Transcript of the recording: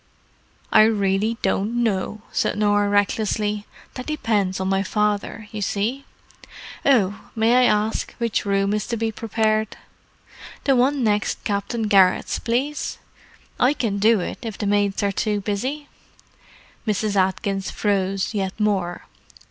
"I really don't know," said Norah recklessly. "That depends on my father, you see." "Oh. May I ask which room is to be prepared?" "The one next Captain Garrett's, please. I can do it, if the maids are too busy." Mrs. Atkins froze yet more.